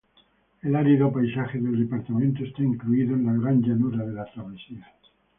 El árido paisaje del departamento está incluido en la Gran llanura de la Travesía.